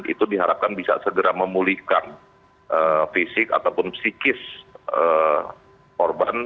itu diharapkan bisa segera memulihkan fisik ataupun psikis korban